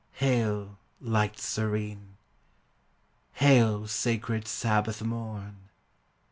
Hail, light serene! hail, sacred Sabbath morn!